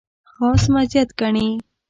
خاص مزیت ګڼي.